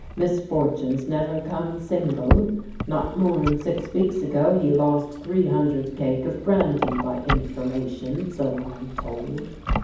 Misfortunes never come single; not more'n six weeks ago he lost three hundred keg of brandy, by information, so I'm told."